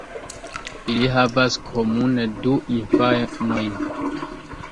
Ili havas komune du infanojn.